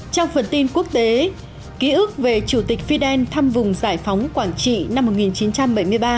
trong phần tin quốc tế ký ức về chủ tịch fidel thăm vùng giải phóng quảng trị năm một nghìn chín trăm bảy mươi ba